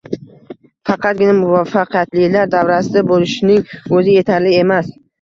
Faqatgina muvaffaqiyatlilar davrasida bo’lishning o’zi yetarli emas